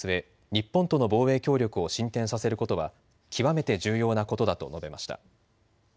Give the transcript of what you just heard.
日本との防衛協力を進展させることは極めて重要なことだと述べました。